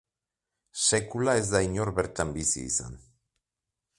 Sekula ez da inor bertan bizi izan.